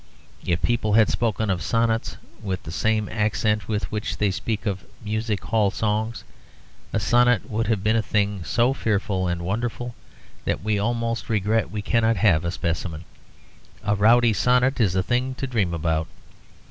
If people had spoken of 'sonnets' with the same accent with which they speak of 'music hall songs,' a sonnet would have been a thing so fearful and wonderful that we almost regret we cannot have a specimen; a rowdy sonnet is a thing to dream about.